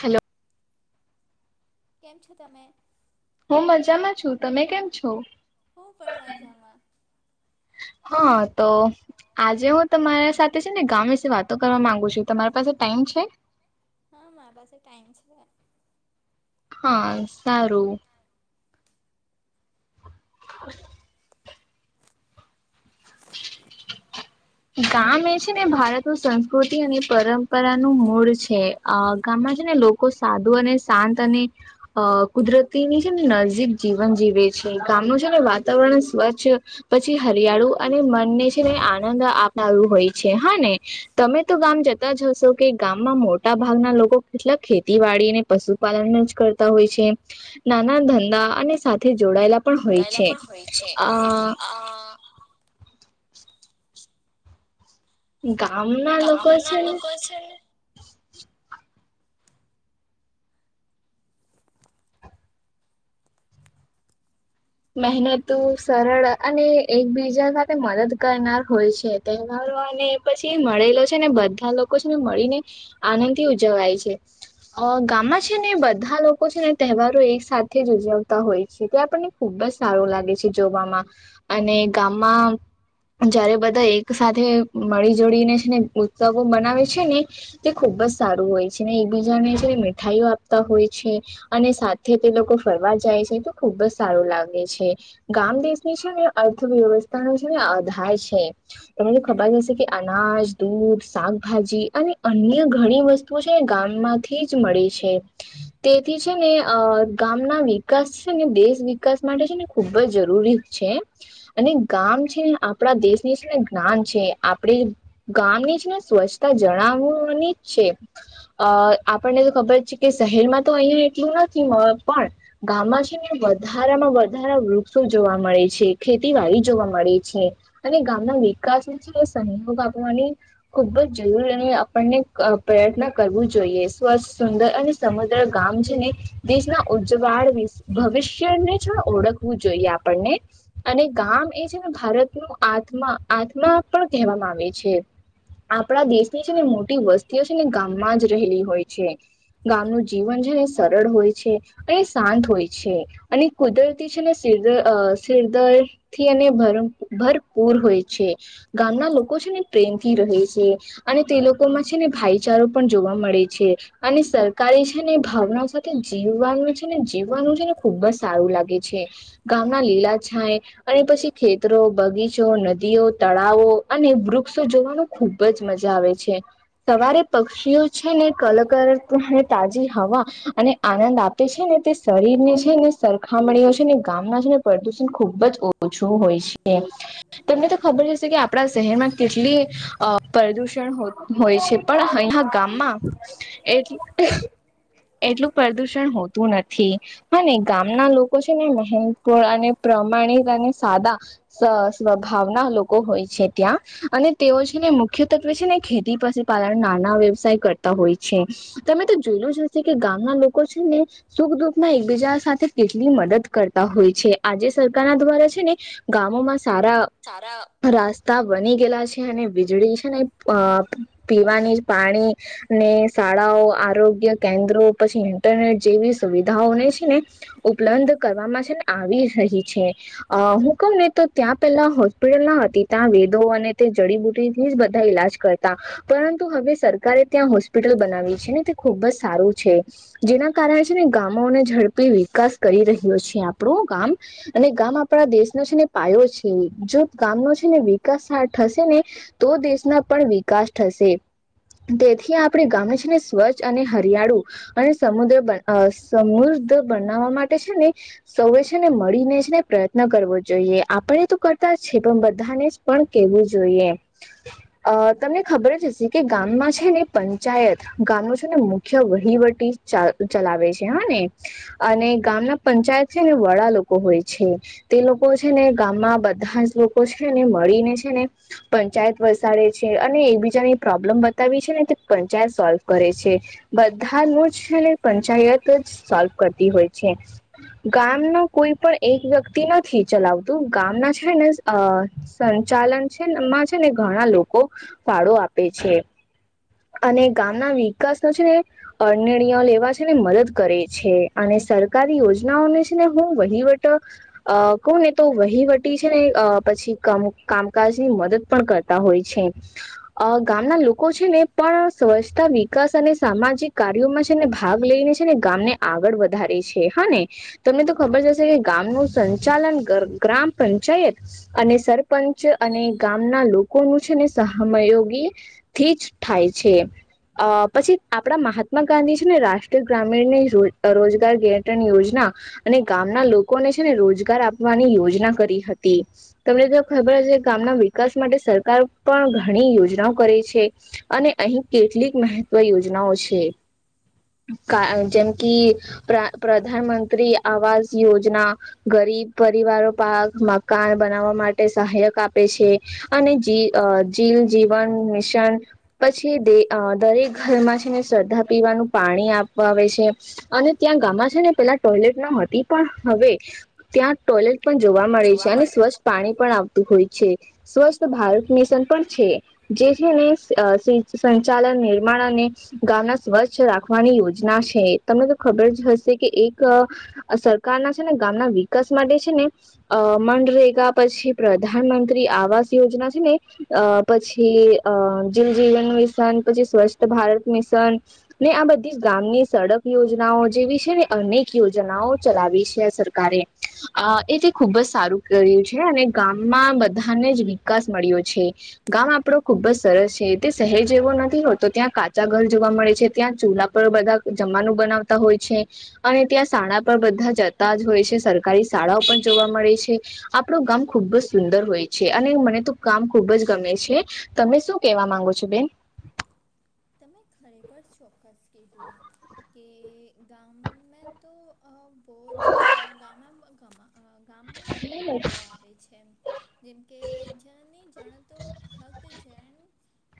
Hello કેમ છો તમે હું મજામાં છું તમે કેમ છો. હા તો આજે હું તમારા સાથે છે ને ગામ વિશે વાતો કરવા માંગુ છું તમારી પાસે ટાઈમ છે. હા મારી પાસે ટાઈમ છે હા સારું. હ એ ગામ એ છે ને ભારત નું સંસ્કૃતિ અને પરંપરાનું મૂળ છે. આ ગામમાં છે ને લોકો સાદું અને શાંત અને અ કુદરતીની છે ને નજીક જીવન જીવે છે, ગામનું છે ને વાતાવરણ સ્વચ્છ પછી હરિયાળું અને મનને છે ને આનંદ આપનારું હોય છે, હા ને? તમે તો ગામ જતા જ હશો કે ગામમાં મોટા ભાગના લોકો કેટલા ખેતીવાડીને પશુપાલન જ કરતા હોય છે, નાના ધંધા અને સાથે જોડાયેલા પણ હોય ગાયેલા છે, પણ હોય છે આ અ ગામ કે ગામ ના લોકો સે મહેનતુ, સરળ અને એકબીજા સાથે મદદ કરનાર હોય છે. તહેવારો અને પછી મળેલો છે ને બધા લોકો છે ને મળી ને આનંદ થી ઉજવાય છે. અ ગામમાં છે ને એ બધા લોકો છે ને તહેવારો એક સાથે જ ઉજવતા હોય છે, તે આપણને ખુબ જ સારું લાગે છે જોવામાં અને ગામમાં જયારે બધા એક સાથે મળી જુળી ને છે ને ઉત્સવો બનાવે છે ને તે ખુબ જ સારું હોય છે ને એકબીજાને જે મીઠાઈઓ આપતા હોય છે અને સાથે તે લોકો ફરવા જાય છે તો ખુબ જ સારું લાગે છે ગામ દેશની છે ને અર્થવ્યવસ્થા નો છે ને આધાર છે. તમને ખબર હશે કે અનાજ, દૂધ, શાકભાજી અને અન્ય ઘણી વસ્તુ તો છે ગામમાંથી જ મળી છે. તેથી છે ને અ ગામના વિકાસ છે ને દેશ વિ કાસ માટે છે ને ખુબ જ જરૂરી જ છે. અને ગામ છે ને આપડા દેશની છે ને જ્ઞાન છે આપડી ગામની છે ને સ્વચ્છતા જણાવવાની જ છે. અ આપણને તો ખબર છે કે શહેરમાં તો અહીંયા એટલું નથી મળત પણ ગામમાં છે ને વધારામાં વધારા વૃક્ષો જોવા મળે છે. ખેતીવાડી જોવા મળે છે અને ગામના વિકાસને છે ને સહયોગ આપવાની ખુબ જ જરૂરી અને આપણને ક પ્રયત્ન કરવું જોઈએ સ્વસ્થ, સુંદર અને સમગ્ર ગામ છે ને દેશના ઉજ્જવાળ વિસ ભવિષ્ય [unintelligible] ને છ ઓળખવું જોઈએ આપણને અને ગામ એ છે ને ભારતનો આત્મા આત્મા પણ કહેવામાં આવે છે. આપણા દેશની છે ને મોટી વસ્તીઓ છે ને ગામમાં જ રહેલી હોય છે. ગામનું જીવન છે ને સરળ હોય છે અને શાંત હોય છે. અને કુદરતી છે ને સિરદ અ સિરદર. થી અને ભરમ ભરપૂર હોય છે. ગામના લોકો છે ને પ્રેમથી રહે છે. અને તે લોકોમાં છે ને ભાઈચારો પણ જોવા મળે છે અને સર કારી છે ને એ ભાવનાઓ સાથે જીવવાનું છે ને જીવવાનું છે ને ખુબ જ સારું લાગે છે. ગામના લીલા છાંય અને પછી ખેતરો, બગીચો, નદીઓ, તળાવો અને વૃક્ષો જોવાનો ખુબ જ મજા આવે છે. સવારે પક્ષીઓ છે ને કલકરતું [unintelligible] તાજી હવા અને આનંદ આપે છે ને તે શરીર ને છે ને સ મળ્યો છે ને ગામના છે ને, પ્રદુષણ ખુબ જ ઓછું હોય છે. તમને તો ખબર હશે કે આપણા શહેરમાં કેટલી અ પ્રદુષણ હો હોય છે. પણ અહીંના ગામમાં એ એટલું પ્રદુષણ હોતું નથી અને ગામના લોકો છે ને મહેનત વાળા ને પ્રમાણિક અને સાદા સ સ્વભાવના લોકો હોય છે ત્યાં અને તેઓ છે ને મુખ્ય તત્વે છે ને ખેતી પાસે પાલન નાના વ્યવસાય કરતા હોય છે તમે તો જોયેલું જ હશે કે ગામના લોકો છે ને સુખ દુઃખના એકબીજા સાથે કેટલી મદદ કરતા હોય છે આજે સરકાર ના દ્વારા છે ને ગામોમાં સારા સારા રાસ્તા બની ગયલા છે અને વીજળી છે ને અ પીવાની પાણી ને શાળાઓ આરોગ્ય કેન્દ્રો પછી ઇન્ટરનેટ જેવી સુવિધાઓને છે ને ઉપલબ્ધ કરવામાં છે ને આવી રહી છે. અ હું કઉ ને તો ત્યાં પેલા હોસ્પિટલ ના હતી ત્યાં વેદો અને તે જડીબુટી થી જ બધા ઈલાજ કરતા પરંતુ હવે સરકારે ત્યાં હોસ્પિટલ બનાવી છે ને તે ખુબ જ સારું છે. જેના કારણે છે ને ગામોને ઝડપી વિકાસ કરી રહ્યો છીએ આપણું ગામ અને ગામ આપણા દેશનો છે ને પાયો છે જો ગામનો છે ને વિકાસ થશે ને તો દેશના પણ વિકાસ થશે. તેથી આપણે ગામે છે ને સ્વચ્છ અને હરિયાળું અને સમુદ્ર સમૃદ્ધ બનાવવા માટે છે ને સૌએ છે ને મળીને જ ને પ્રયત્ન કરવો જોઈએ આપણે તો કરતા છે પણ બધાને જ પણ કેવું જોઈએ. અ તમને ખબર જ હશે કે ગામમાં છે ને પંચાયત ગામ નું છે ને મુખ્ય વહીવટી ચ ચલાવે છે હા ને અને ગામના પંચાયત છે ને વડા લોકો હોય છે. તે લોકો છે ને ગામમાં બધા જ લોકો છે ને મળીને છે ને પંચાયત વસાડે છે અને એક બીજાને પ્રોબ્લેમ બતાવી છે ને તે પંચાયત સોલ્વ કરે છે. બધા નું છે ને પંચાયત જ સોલ્વ કર હોય છે ગામ નું કોઈ પણ એક વ્યક્તિ નથી ચલાવતો તું ગામના છે ને અ સંચાલન છેમાં છે ને ઘણા લોકો ફાળો આપે છે. અને ગામના વિકાસ નો છે ને અ નિર્ણયો લેવા છે ને મદદ કરે છે. અને સરકારી યોજનાઓને છે ને હું વહીવટ અ કોઈ એ તો વહીવટી છે ને પછી કામકાજ ની મદદ પણ કરતી તા હોય છે. અ ગામના લોકો છે ને પણ સ્વચ્છતા વિકાસ અને સામાજિક કાર્યોમાં ભાગ લઈને છે ને ગામ ને આગળ વધારે છે હા ને તમને તો ખબર જશે કે ગામ નુ સંચાલન ગ્રામ પંચાયત અને સરપંચ અને ગામના લોકોનું છે ને સહમયોગી થી જ થાય છે. અ પછી આપડા મહાત્મા ગાંધી છે ને રાષ્ટ્રીય ગ્રામીણ ને. [unintelligible] [unintelligible] ટન યોજના અને ગામના લોકોને છે ને રોજગાર આપવાની યોજના કરી હતી. તમને તો ખબર હ છે ગામના વિકાસ માટે સરકાર પણ ઘણી યોજનાઓ કરે છે. અને અહી કેટલીક મહત્વ યોજનાઓ છે કા જેમ કે પા પ્રધાન મંત્રી આવાસ યોજના ગરીબ પરિવારો પાક મકાન બનાવવા માટે સહાયક આપ આપે છે અને જીલ જીવન મિશન પછી દરેક ઘરમાં છે ને શ્રદ્ધા પીવાનું પાણી આપવા આવે છે અને ત્યાં ગામમાં છે ને પેલા ટોઈલેટ ન હતી પણ હવે ત્યાં ટોયલેટ પણ જોવા મળે છે અને સ્વચ્છ પાણી પણ આવતું હોય છે. સ્વસ્થ ભારત મિશન પણ છે. જે છેને સંચાલન નિર્માણ અને ગામના સ્વચ્છ રાખવાની યોજના છે તમને તો ખબર જ હશે કે એક આ સરકાર ના છે ને ગામના વિકાસ માટે છે ને અ મનરેગા પછી પ્રધાનમંત્રી આવાસ યોજના છે ને અ પછી અ જલ જીવન મિશન પછી સ્વચ્છ ભારત મિશન ને આ બધી જ ગામની સડક યોજ યોનાઓ જેવી છે ને અનેક યોજનાઓ ચલાવી છે સરકારે. અ એથી ખુબ જ સારું કર્યું છે અને ગામમાં બધાને જ વિકાસ મળ્યો છે. ગામ આપડો ખુબ જ સરસ છે તે શહેર જેવો નથી હોતો ત્યાં કાચા ઘર જોવા મળે છે ત્યાં ચૂલા બધા જમવાનું બનાવતા હોય છે. અને ત્યાં શાળા પણ બધા જતા જ હોય છે સરકારી શાળાઓ પણ જોવા મળે છે. આપણું ગામ ખુબ જ સુંદર હોય છે અને મને તો ગામ ખુબ જ ગમે છે. તમે શું કેવા માંગો છો બેન? તમે ખરેખર ચોક્કસ કીધું કે ગામમાં તો અ બહુ છે ગામ ગામમાં મજા પણ બહુ આવે છે. જનકે જને જણતો ભક્ત જૈન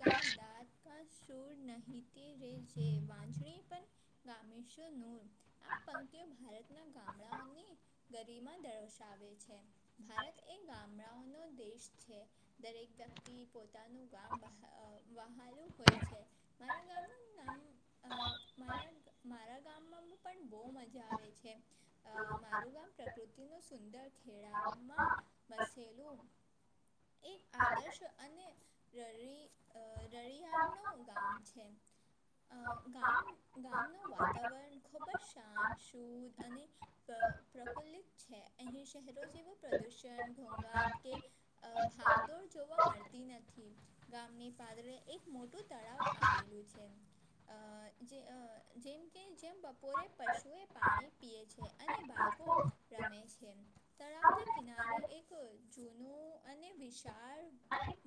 કા દાંત કા ટૂર નહિત રે જે વાંજણી પણ. ગમેશો નૂર આ પંક્તિઓ ભારતના ગામડાઓની ગરીમા દર્શાવે છે ભારત એ ગામડાઓનો દેશ છે. દરેક વ્યક્તિ પોતાનું ગામ બહાલું હોય. મારા ગામનું નામ. અ મારા મારા ગામમાં પણ બહુ મજા આવે છે. અ મારું ગામ પ્રકૃતિ ન સુંદર ખેડાવમાં મસી થેલું એક આદર્શ અને ર રળિયા મ નું ગામ છે. અ ગામ ગામનું વાતાવરણ ખૂબ જ શાંત શુદ્ધ અને? પ્રફુલ્લિત. છે અહીં શહેરો જ તેવ પ્રદૂષણ, ઘોંઘાટ કે ભાગદોડ જોવા મળતી નથી. ગામની પાદરે એક મોટું તળાવ આવેલું છે. અ જે જેમ કે જેમપ પોરે પશુએ પાણી પીએ છે અને બાળકો રમે છે. તળાવના કિનારે એક જ જૂનું અને વિશાળ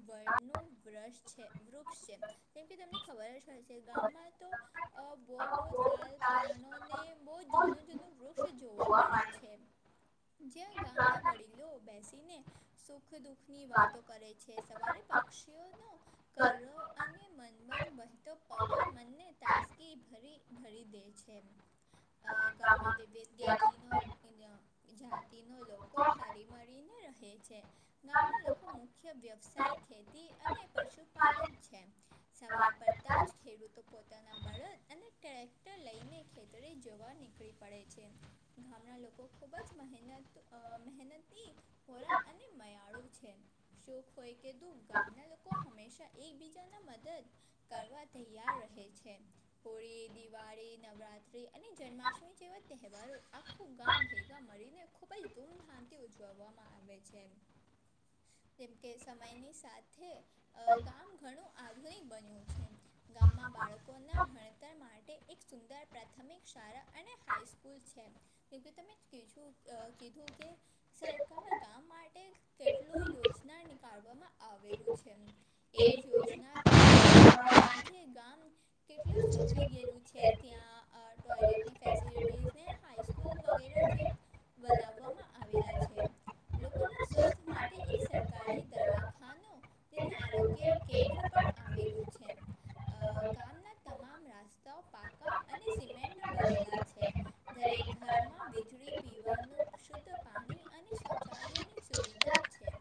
વડ નું વ્રક્ષ છે વૃક્ષ છે. કેમ કે તમને ખબર જ હોય છે ગામમાં તો અ બહુ બહુ સાલ પુરાણો ને બહુ જૂનું જૂનું વૃક્ષ જોવા મળે છે. જ્યાં ગામના વડીલો બેસે સુખ દુઃખની વાતો કરે છે સવારે પક્ષીઓનો કલરવ અને મનબન વહેતો પવન મનને તાજગીરી ભરી દે છે. અ ગામમાં વિભિધ જ્ઞાતિનો અ જાતિનો લોકો હારી મારીને રહે છે. ગામના લોકો મુખ્ય વ્યવસાય ખેતી અને પશુપાલન છે. સવાર પડતા જ ખેડૂતો પોતાના બળદ અને ટ્રેક્ટર લઈને ખેતરે જવા નીકળી પડે છે ગામના લોકો ખૂબ જ મહેનત મહેનતની પોરા અને મયાળું છે શોખ હોય કે દુઃખ ગામના લોકો હંમેશા એકબીજાના મદદ કરવા તૈયાર રહે છે. હોળી, દિવાળી, નવરાત્રી, અને જન્માષ્ટમી જેવા તહેવારો આખું ગામ ભેગા મળીને ખૂબ જ ધૂમધામથી ઉજવવામાં આવે છે. હ જેમ કે સમયની સાથે અ ગામ ઘણું આધુનિક બન્યું છે. ગામમાં બાળકોના ભણતર માટે એક સુંદર પ્રાથમિક શાળા અને હાઈસ્કૂલ છે. કેમકે તમે કી‌ કીધું કે સરકાર ગામ માટે કેટલુ યોજના નીકળવામાં આવેલું છે એ યોજનાથી અ આજે ગામ કેટલું સુધરી ગયેલું છે. ત્યાં અ ટોયલેટની ફેસિલિટીઝને હાઈસ્કૂલ વગેરે જેમ. બનાવવામાં આવેલા છે. લોકોના સ્વસ્થ માટે એક સરકારી દવાખાનું તેને આરોગ્ય. કેન્દ્ર પણ આવેલું છે. અ ગામના તમામ રાસ્તાઓ પાકા અને સિમેન્ટના બનેલા છે. દરેક ઘરમાં વીજળી પીવાનું શુદ્ધ પાણી અને શૌચાલયની સુવિધા.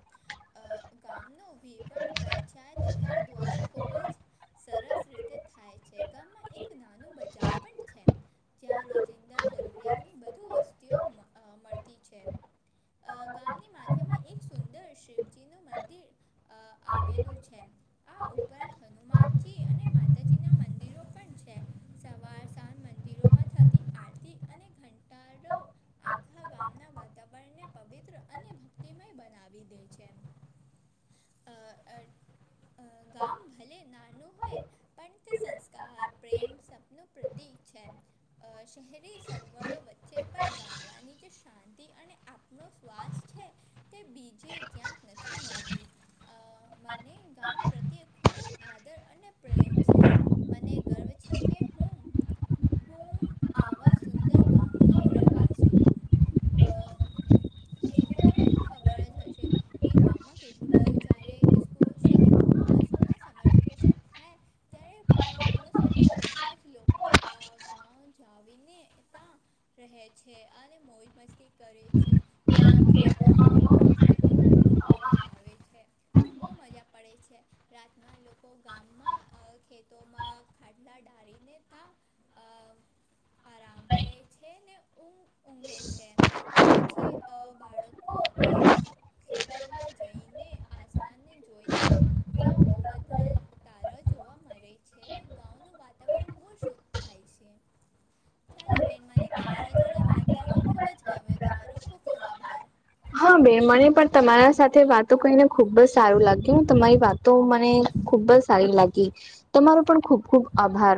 ગામનો વહીવટ પંચાયતઘર દ્વારા ખુબ જ. સરસ રીતે થાય છે ગામમાં એક નાનું બજાર પણ છે જ્યાં રોજિંદા જરૂરિયાતની બધુ વસ્તુઓ અ મળતી છે. અ ગામની માધ્યમમાં એક સુંદર શિવજી નું મંદિર અ આવેલું. છે. આ ઉપરાંત હનુમાનજી અને માતાજીના મંદિરો પણ છે સવાર. સ્થાન મંદિરોમાં થતી આરતી અને ઘંટાડો. આખા ગામના વાતાવરણને પવિત્ર અને ભક્તિમય બનાવી દે છે. હ [inaudible] અ અ ગામ ભલે નાનું હોય. પણ તે સંસ્કાર પ્રેમ સપનું પ્રતીક છે. અ શહેરી સગવડો વચ્ચે પણ ગામડાની જે શાંતિ અને. નો શ્વાસ છે તે બીજે ક્યાંક નથી મળતી અ મને. કામ પ્રત્યે ખૂબ જ આદર અને પ્રેમ છે મને ગર્વ છે કે હું. હું આવા સુંદર ગામનો રહેવાસી છું. અ જેમ કે તને ખબર જ હશે કે ગામમાં કેટલું બધ જ્યારે સ્કૂ શહેર. રોમાં સ્કૂલમાં સમર વેકેશન થાય. ત્યારે મોસ્ટ ઓફ ધી બધા જ લોકો અ ગાં જાવીને ત્યાં. રહે છે અને મોજ મસ્તી કરે છે. ત્યાં ખેતોમાં બહુ ઠંડુ ઠંડુ હવા આવે છે ત્યાં બહુ મજા. પડે છે. રાતના લોકો ગામમાં ખેતોમાં ખાડલા ડાળીને તા. અ આરામ કરે છે ને ઊઘ ઊઘે છે. પછી અ બાળકો એ. ખેતરમાં જઈને આસમાનને જોય છે. ત્યાં બહુ બધા તારા જોવા મળે છે અને ગામનું વાતાવરણ બહુ શુદ્ધ. થાય છે. ચાલો બેન મને તમારા જોડે વાત કરવા ખૂબ જ ગમ્યું તમારો ખૂબ ખૂબ આભાર. હા બે મને પણ તમારા સાથે વાતો કરીને ખુબ જ સારું લાગ્યું હું તમારી વાત તો મને ખુબ જ સારી લાગી તમારો પણ ખુબ ખુબ આભાર.